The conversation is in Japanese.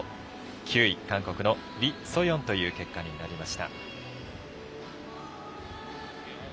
９位、韓国のウィ・ソヨンという結果になりました。